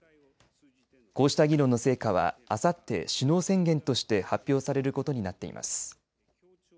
こうした議論の成果はあさって首脳宣言として発表されることになっています。